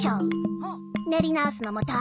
ねり直すのもたいへん。